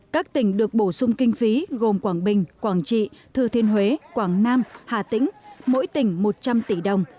các tỉnh được bổ sung kinh phí gồm quảng bình quảng trị thừa thiên huế quảng nam hà tĩnh mỗi tỉnh một trăm linh tỷ đồng